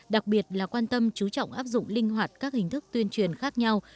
đặc biệt là quan tâm chú trọng áp dụng linh hoạt các hình thức tuyên truyền khác nhau